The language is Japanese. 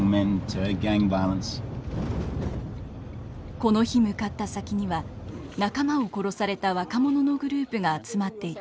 この日向かった先には仲間を殺された若者のグループが集まっていた。